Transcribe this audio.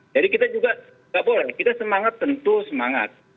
jadi kita juga tidak boleh kita semangat tentu semangat